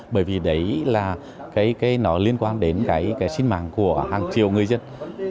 bởi vì đấy là cái nó liên quan đến cái sinh mạng của hàng triệu người dân